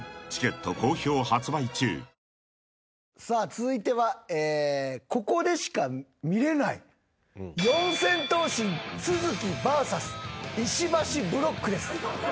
さあ続いてはここでしか見れない四千頭身都築ｖｓ石橋ブロックです。